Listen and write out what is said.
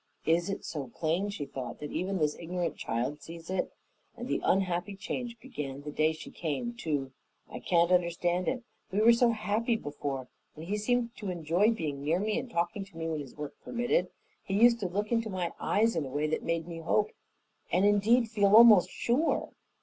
"Is it so plain," she thought, "that even this ignorant child sees it? And the unhappy change began the day she came, too. I can't understand it. We were so happy before; and he seemed to enjoy being near me and talking to me when his work permitted. He used to look into my eyes in a way that made me hope and, indeed, feel almost sure.